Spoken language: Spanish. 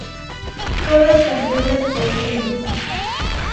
Todas compuestas por Prince.